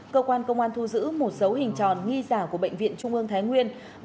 cơ quan công an thu giữ một số hình tròn nghi giả của bệnh viện trung ương thái nguyên